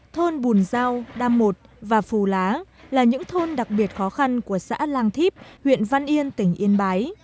thôn bùn giao đam một và phù lá là những thôn đặc biệt khó khăn của xã làng thiếp huyện văn yên tỉnh yên bái